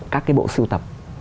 các cái bộ sưu tập